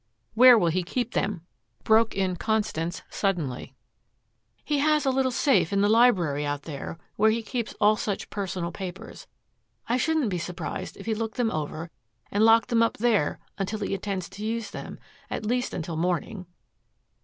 "Where will he keep them?" broke in Constance suddenly. "He has a little safe in the library out there where he keeps all such personal papers. I shouldn't be surprised if he looked them over and locked them up there until he intends to use them at least until morning."